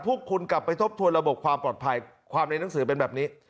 พวกคุณกลับไปทบทวนระบบความปลอดภัยความในหนังสือเป็นแบบนี้